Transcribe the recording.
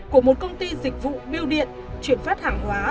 của một công ty dịch vụ biêu điện chuyển phát hàng hóa